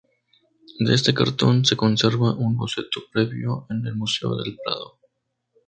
De este cartón se conserva un boceto previo en el Museo del Prado.